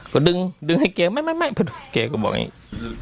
ก็ดึงดึงให้แกไม่มาดูแกก็บอกอย่างนี้